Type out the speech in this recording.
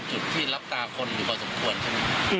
จุดที่รับตาคนอยู่กว่าสมควรใช่มั้ย